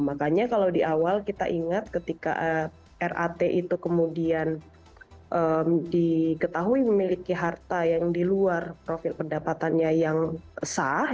makanya kalau di awal kita ingat ketika rat itu kemudian diketahui memiliki harta yang di luar profil pendapatannya yang sah